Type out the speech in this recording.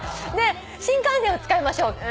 新幹線を使いましょう。